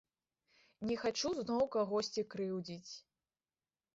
Не хачу зноў кагосьці крыўдзіць.